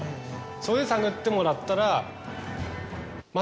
それで探ってもらったら。